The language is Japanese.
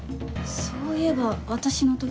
そういえば私の時も。